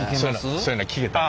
そういうのは聴けたり？